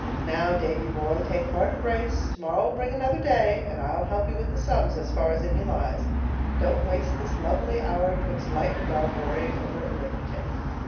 Now, Davy boy, take heart of grace. 'Tomorrow will bring another day' and I'll help you with the sums as far as in me lies. Don't waste this lovely hour 'twixt light and dark worrying over arithmetic."